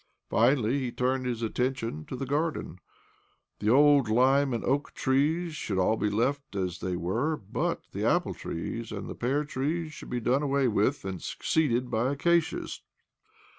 Finally he turned his attention to the garden. The old lime and oak trees should all be left as they were, but the apple trees and pear trees should be done away with, and suc ceeded by acacias.